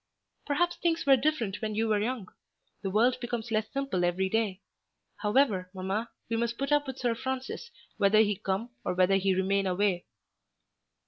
"Perhaps things were different when you were young. The world becomes less simple every day. However, mamma, we must put up with Sir Francis whether he come or whether he remain away."